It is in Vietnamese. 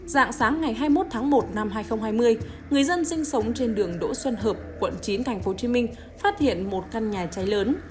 dạng sáng ngày hai mươi một tháng một năm hai nghìn hai mươi người dân sinh sống trên đường đỗ xuân hợp quận chín tp hcm phát hiện một căn nhà cháy lớn